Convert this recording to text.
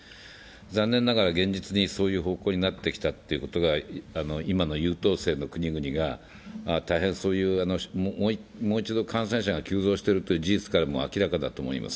残念ながら、現実にそういう方向になってきたということが今の優等生の国々が大変、もう一度感染者が急増している事実からも明らかだと思います。